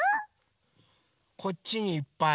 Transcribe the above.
こっちにいっぱい。